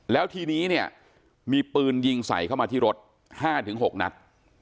แล้วทีนี้เนี่ยมีปืนยิงใส่เข้ามาที่รถ๕๖นัด